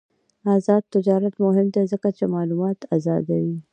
آزاد تجارت مهم دی ځکه چې معلومات آزادوي.